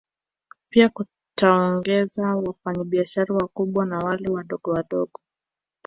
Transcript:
Pia kutaongeza wafanya biashara wakubwa na wale wadogowadogo